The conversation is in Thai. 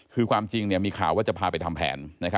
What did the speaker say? คือความจริงมีข่าวว่าจะพาไปทำแผน